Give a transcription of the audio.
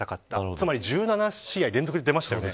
つまり１７試合連続で出ましてね。